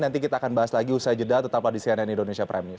nanti kita akan bahas lagi usaha jeda tetap lagi di cnn indonesia prime news